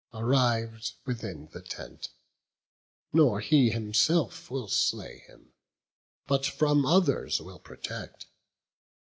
Arriv'd within the tent, nor he himself Will slay him, but from others will protect.